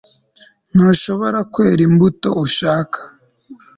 Ntushobora kwera imbuto ushaka